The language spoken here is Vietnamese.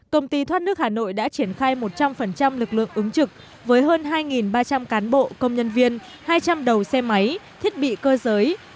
công ty thoát nước hà nội đã triển khai một trăm linh lực lượng ứng trực với hơn hai ba trăm linh cán bộ công nhân viên hai trăm linh đầu xe máy thiết bị cơ giới